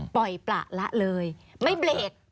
ปล่อยประละเลยไม่เบรก